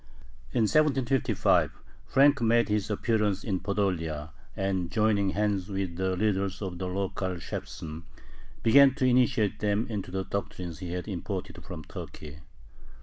In 1755 Frank made his appearance in Podolia and, joining hands with the leaders of the local "Shebsen," began to initiate them into the doctrines he had imported from Turkey.